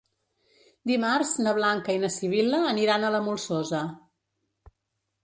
Dimarts na Blanca i na Sibil·la aniran a la Molsosa.